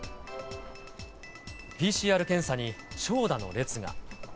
ＰＣＲ検査に長蛇の列が。